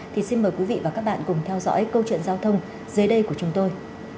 thì xin mời quý vị và các bạn cùng theo dõi câu chuyện giao thông dưới đây của chúng tôi